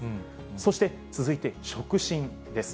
そして続いて触診です。